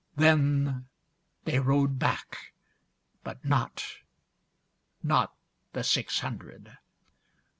Then they rode back, but notNot the six hundred.